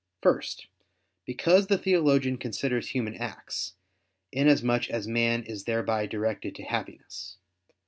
First, because the theologian considers human acts, inasmuch as man is thereby directed to Happiness.